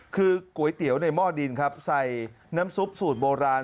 คือก๋วยเตี๋ยวในหม้อดินครับใส่น้ำซุปสูตรโบราณ